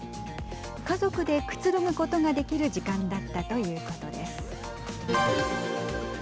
家族で、くつろぐことができる時間だったということです。